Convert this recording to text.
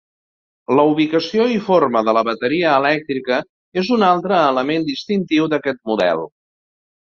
La ubicació i forma de la bateria elèctrica és un altre element distintiu d'aquest model.